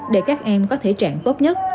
để các em có thể trạng tốt nhất